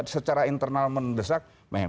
secara internal mendesak